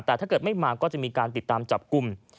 แต่ถ้าเกิดไม่มาก็จะมีการติดตามจับกลุ่ม